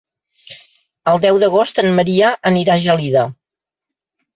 El deu d'agost en Maria anirà a Gelida.